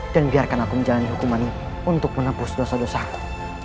dan biarkan aku menjalani hukuman ini untuk menembus dosa dosaku